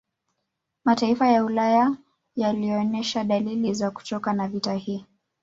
Mataifa ya Ulaya yalionesha dalili za kuchoka na vita hii